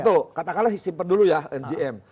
satu katakanlah simpel dulu ya gm